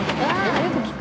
よく聞く。